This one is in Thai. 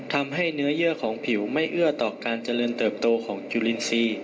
ทำให้เนื้อเยื่อของผิวไม่เอื้อต่อการเจริญเติบโตของจุลินทรีย์